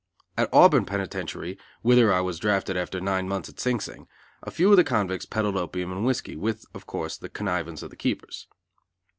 At Auburn penitentiary, whither I was drafted after nine months at Sing Sing, a few of the convicts peddled opium and whiskey, with, of course, the connivance of the keepers.